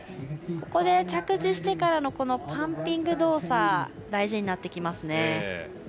ここで着地してからのパンピング動作大事になってきますね。